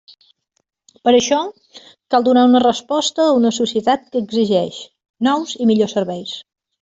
Per això, cal donar una resposta a una societat que exigeix nous i millors serveis.